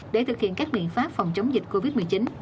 để thực hiện các biện pháp phòng chống dịch covid một mươi chín